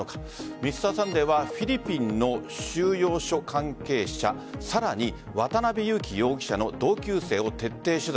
「Ｍｒ．サンデー」はフィリピンの収容所関係者さらに渡辺優樹容疑者の同級生を徹底取材。